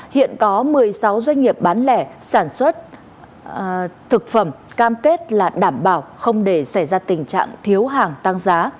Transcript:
hiện có một mươi sáu doanh nghiệp bán lẻ sản xuất thực phẩm cam kết là đảm bảo không để xảy ra tình trạng thiếu hàng tăng giá